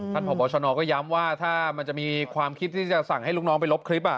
พบชนก็ย้ำว่าถ้ามันจะมีความคิดที่จะสั่งให้ลูกน้องไปลบคลิป